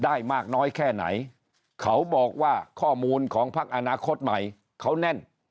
ได้มากน้อยแค่ไหนเขาบอกว่าข้อมูลของพักอนาคตใหม่เขาแน่น